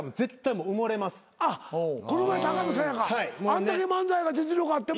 あんだけ漫才が実力あっても？